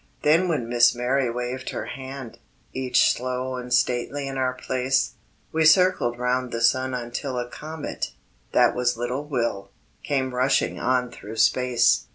Then when Miss Mary waved her hand, Each slow and stately in our place, We circled round the sun until A comet, that was little Will, Came rushing on through space.